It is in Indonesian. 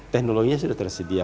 teknologinya sudah tersedia